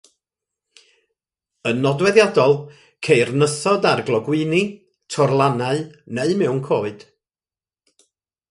Yn nodweddiadol, ceir nythod ar glogwyni, torlannau neu mewn coed.